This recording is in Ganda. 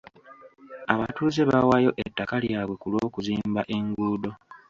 Abatuuze bawaayo ettaka lyabwe ku lw'okuzimba enguudo.